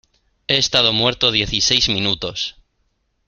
he estado muerto dieciséis minutos.